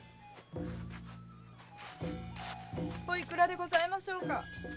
おいくらでございましょうか？